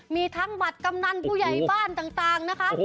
มีทั้งบัตรกำนันผู้ใหญ่บ้านต่างนะคะ